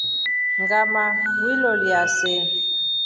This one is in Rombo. Ngʼama wliuya see.